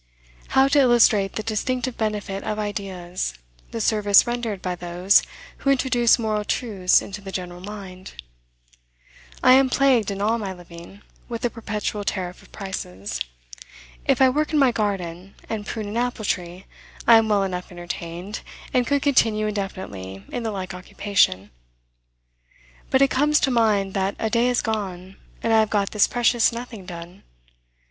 How to illustrate the distinctive benefit of ideas, the service rendered by those who introduce moral truths into the general mind? I am plagued, in all my living, with a perpetual tariff of prices. If I work in my garden, and prune an apple tree, I am well enough entertained, and could continue indefinitely in the like occupation. But it comes to mind that a day is gone, and I have got this precious nothing done.